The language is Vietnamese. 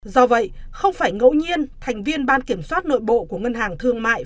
do vậy không phải ngẫu nhiên thành viên ban kiểm soát nội bộ của ngân hàng thương mại